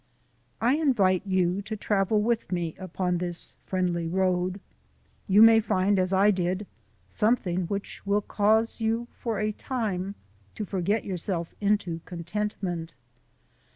I invite you to travel with me upon this friendly road. You may find, as I did, something which will cause you for a time, to forget yourself into contentment.